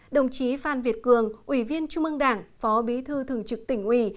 đồng chí phan việt cường ủy viên chung mương đảng phó bí thư thường trực tỉnh ủy